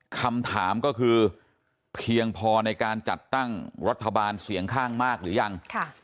คำถามก็คือเพียงพอในการจัดตั้งรัฐบาลเสียงข้างมากหรือยัง